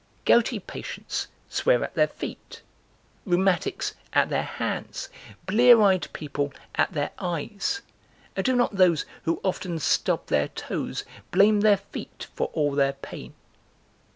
"Gouty patients swear at their feet, rheumatics at their hands, blear eyed people at their eyes, and do not those who often stub their toes blame their feet for all their pain?